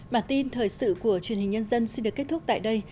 bản tin thời sự của truyền hình nhân dân xin được kết thúc tại đây